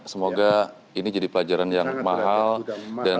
semoga ini jadi pelajaran yang mahal